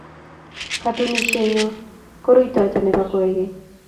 Katunisienyo ko rutoito ne bo koigeny